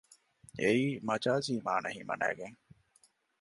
އެއީ މަޖާޒީ މާނަ ހިމަނައިގެން